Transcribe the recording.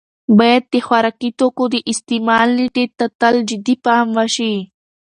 باید د خوراکي توکو د استعمال نېټې ته تل جدي پام وشي.